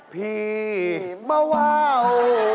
พี่เบาวาว